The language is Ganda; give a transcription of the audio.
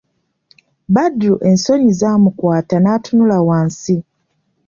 Badru ensonyi zaamukwata n'atunula wansi.